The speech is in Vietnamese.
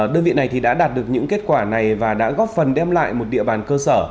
đơn vị này đã đạt được những kết quả này và đã góp phần đem lại một địa bàn cơ sở